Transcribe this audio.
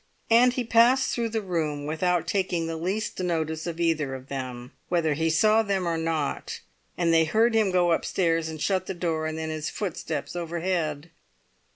And he passed through the room without taking the least notice of either of them, whether he saw them or not; and they heard him go upstairs, and shut the door, and then his footsteps overhead.